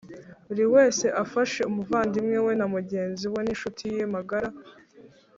buri wese afashe umuvandimwe we na mugenzi we n incuti ye magara